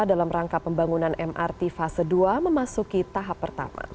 dalam rangka pembangunan mrt fase dua memasuki tahap pertama